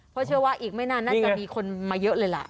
เพราะเชื่อว่าอีกไม่นานน่าจะมีคนมาเยอะเลยล่ะ